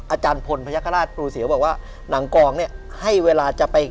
อาจารย์พลพญาคราชครูเสียวบอกว่าหนังกองเนี่ยให้เวลาจะไป